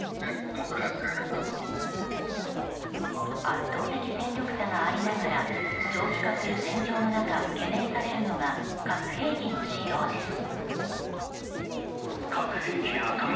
圧倒的戦力差がありながら長期化する戦況の中懸念されるのが核兵器の使用です。